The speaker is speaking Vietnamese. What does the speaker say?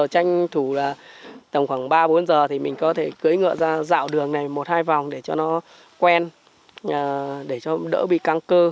tranh thủ là tầm khoảng ba bốn giờ thì mình có thể cưới ngựa ra dạo đường này một hai vòng để cho nó quen để cho đỡ bị căng cơ